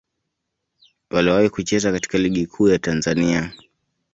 Waliwahi kucheza katika Ligi Kuu ya Tanzania.